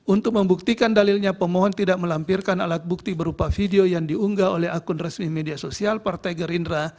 untuk membuktikan dalilnya pemohon tidak melampirkan alat bukti berupa video yang diunggah oleh akun resmi media sosial partai gerindra